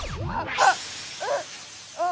あっ！